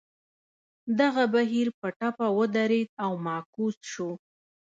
دغه بهیر په ټپه ودرېد او معکوس شو.